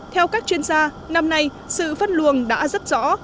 theo các chuyên gia năm nay sự phân luồng đã rất rõ